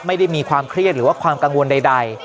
ไม่ได้มีความเครียดหรือว่าความกังวลใด